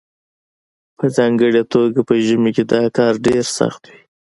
په ځانګړې توګه په ژمي کې دا کار ډیر سخت وي